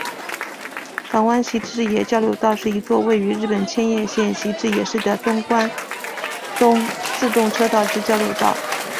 湾岸习志野交流道是一座位于日本千叶县习志野市的东关东自动车道之交流道。